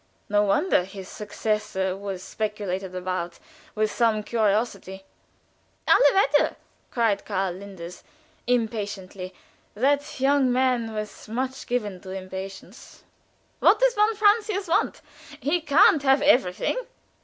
No wonder his successor was speculated about with some curiosity. "Alle Wetter!" cried Karl Linders, impatiently that young man was much given to impatience "what does von Francius want? He can't have everything.